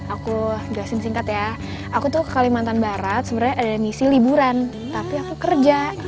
aku jelasin singkat ya aku tuh ke kalimantan barat sebenarnya ada ngisi liburan tapi aku kerja